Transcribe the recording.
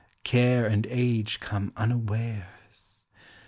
Care and age come unawares